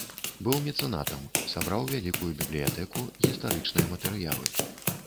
Быў мецэнатам, сабраў вялікую бібліятэку, гістарычныя матэрыялы.